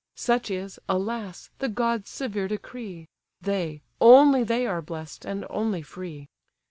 Such is, alas! the gods' severe decree: They, only they are blest, and only free.